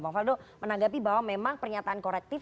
bang faldo menanggapi bahwa memang pernyataan korektif